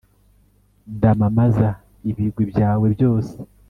damamaza ibigwi byawe byose